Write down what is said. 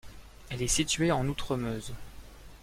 Elle est située en Outremeuse.